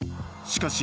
しかし、